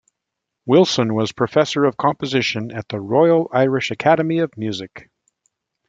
Wilson was professor of composition at the Royal Irish Academy of Music.